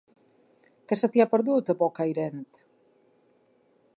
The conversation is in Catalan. Què se t'hi ha perdut, a Bocairent?